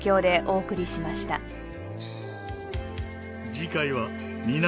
次回は南